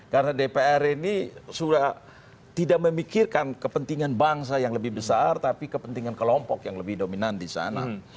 karena dpr ini sudah tidak memikirkan kepentingan bangsa yang lebih besar tapi kepentingan kelompok yang lebih dominan di sana